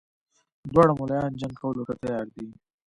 دواړه ملایان جنګ کولو ته تیار دي.